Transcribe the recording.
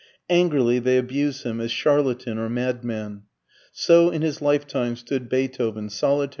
Angrily they abuse him as charlatan or madman. So in his lifetime stood Beethoven, solitary and insulted.